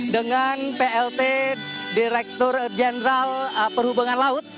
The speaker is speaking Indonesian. dengan plt direktur jenderal perhubungan laut